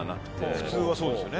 普通はそうですよね。